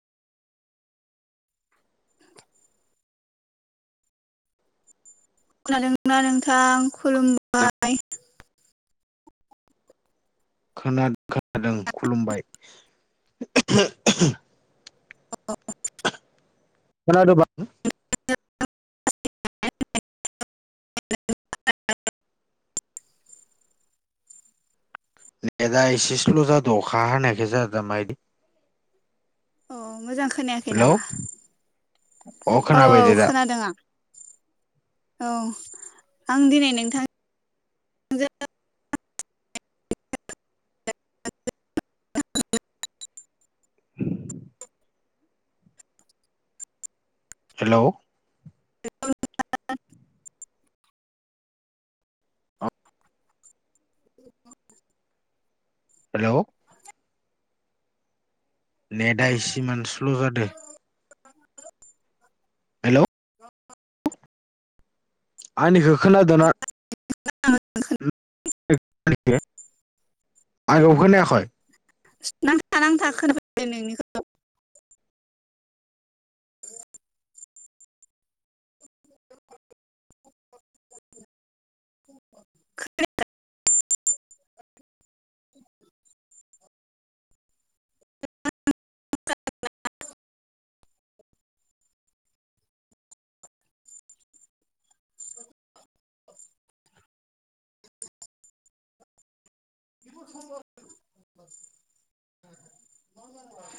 खादोंना नोंथां खुलुमबाय खोनादों खोनादों खुलुमबाय अ [unintelligible] खोनादोबा नेदा इसे स्ल जादों अखा हानायखाय जादों नामाय अ मोजां खोनायाखै हेलौ नामा अ खोनाबाय औ-औ दे दा खोनादों आं औ आं दिनै नोंथां हेलौ [unintelligible] हेल' नेटा इसे इमान स्ल' जादों [inaudible] हेल' आंनिखौ खोनादोंना [unintelligible] आंनिखौ खोनायाखै [unintelligible] नोंनिखौ